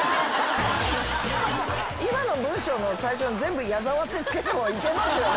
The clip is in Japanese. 今の文章の最初全部に矢沢ってつけてもいけますよね。